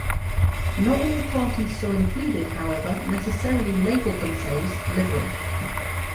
Not all parties so included, however, necessarily labeled themselves "liberal".